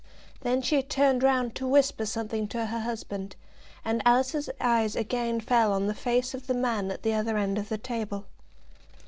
Then she turned round to whisper something to her husband, and Alice's eyes again fell on the face of the man at the other end of the table.